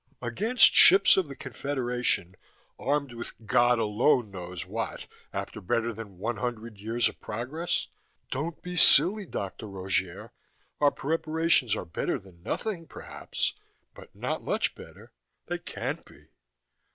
"Against ships of the Confederation, armed with God alone knows what after better than one hundred years of progress? Don't be silly, Dr. Rogier. Our preparations are better than nothing, perhaps, but not much better. They can't be."